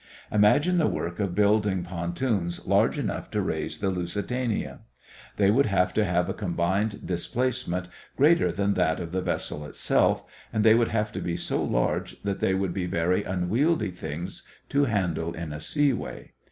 Imagine the work of building pontoons large enough to raise the Lusitania. They would have to have a combined displacement greater than that of the vessel itself, and they would have to be so large that they would be very unwieldy things to handle in a seaway.